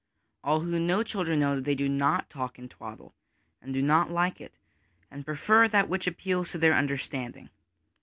All who know children know that they do not talk twaddle and do not like it, and prefer that which appeals to their understanding.